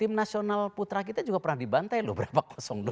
tim nasional putra kita juga pernah dibantai loh berapa